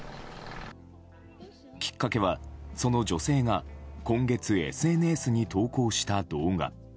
きっかけはその女性が今月、ＳＮＳに投稿した動画。